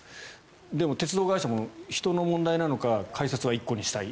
でも鉄道会社も、人の問題なのか改札は１個にしたい。